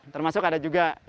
termasuk ada juga